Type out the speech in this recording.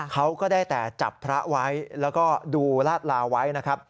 เขาก็ได้แต่จับพระไว้แล้วก็ดูลาดลาไว้นะครับ